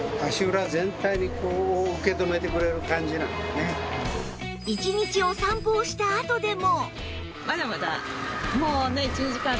全然１日お散歩をしたあとでも